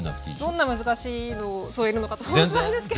どんな難しいのを添えるのかと思ったんですけど。